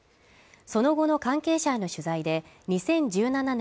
その後の関係者への取材で２０１７年